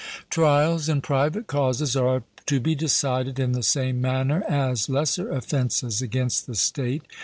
Trials in private causes are to be decided in the same manner as lesser offences against the state.